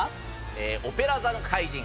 『オペラ座の怪人』。